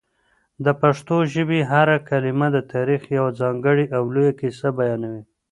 د پښتو ژبې هره کلمه د تاریخ یوه ځانګړې او لویه کیسه بیانوي.